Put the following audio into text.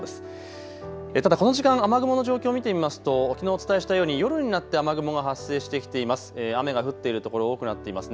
ただこの時間、雨雲の状況を見てみますときのうお伝えしたように夜になって雨雲が発生してきています。